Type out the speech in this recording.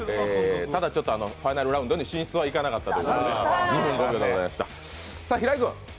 ただ、ちょっとファイナルラウンドに進出はいかなかったということでした。